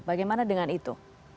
bagaimana dengan itu